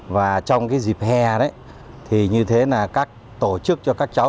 và trong cái dịp hè đấy thì như thế là các tổ chức cho các cháu